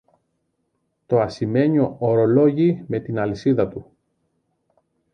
το ασημένιο ωρολόγι με την αλυσίδα του